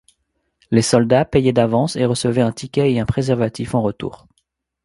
Les soldats payaient d'avance et recevaient un ticket et un préservatif en retour.